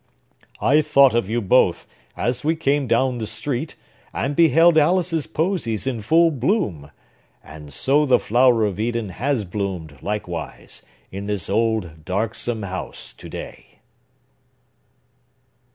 "I thought of you both, as we came down the street, and beheld Alice's Posies in full bloom. And so the flower of Eden has bloomed, likewise, in this old, darksome house to day."